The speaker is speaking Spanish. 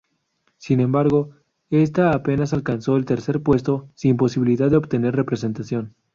Sin embargo, esta apenas alcanzó el tercer puesto, sin posibilidad de obtener representación.